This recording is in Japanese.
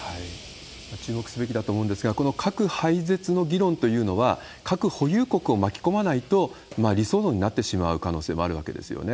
注目すべきだと思うんですが、この核廃絶の議論というのは、核保有国を巻き込まないと、理想論になってしまう可能性はある訳ですよね。